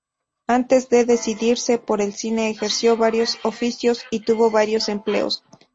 Antes de decidirse por el cine, ejerció varios oficios, y tuvo varios empleos.